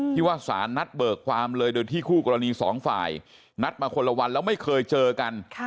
ที่ว่าสารนัดเบิกความเลยโดยที่คู่กรณีสองฝ่ายนัดมาคนละวันแล้วไม่เคยเจอกัน